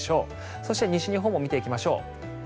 そして西日本も見ていきましょう。